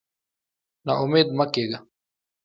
نا امېد مه کېږه.